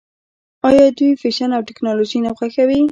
آیا دوی فیشن او ټیکنالوژي نه خوښوي؟